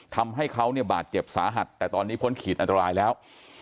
ทำให้เขาเนี่ยบาดเจ็บสาหัสแต่ตอนนี้พ้นขีดอันตรายแล้ว